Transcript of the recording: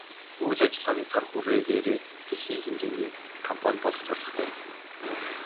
Үйл ажиллагааны цар хүрээгээрээ дэлхийн хэмжээний компани болох зорилготой.